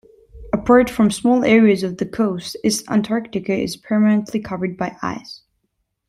Apart from small areas of the coast, East Antarctica is permanently covered by ice.